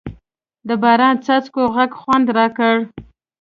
د باران څاڅکو غږ خوند راکړ.